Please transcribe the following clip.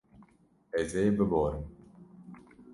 Ez ê biborim.